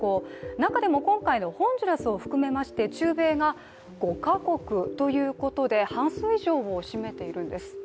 中でも今回のホンジュラスを含めまして、中米が５か国ということで、半数以上を占めているんです。